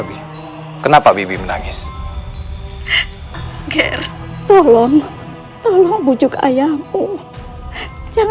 ini keris kamu kan